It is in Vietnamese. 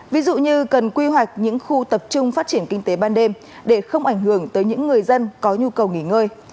ví dụ như cần quy hoạch những khu tập trung phát triển kinh tế ban đêm để không ảnh hưởng tới những người dân có nhu cầu nghỉ ngơi